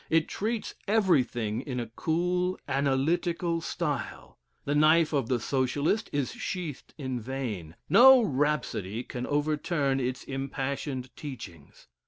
It treats everything in a cool, analytic style. The knife of the Socialist is sheathed in vain; no rhapsody can overturn its impassioned teachings.